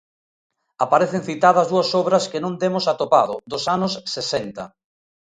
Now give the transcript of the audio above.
Aparecen citadas dúas obras que non demos atopado, dos anos sesenta.